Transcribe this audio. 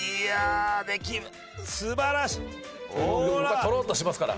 「とろっとしますから」